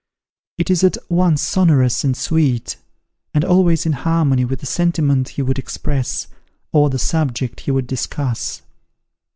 It is at once sonorous and sweet, and always in harmony with the sentiment he would express, or the subject he would discuss.